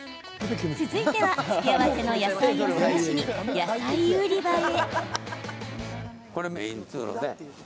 続いては、付け合わせの野菜を探しに野菜売り場へ。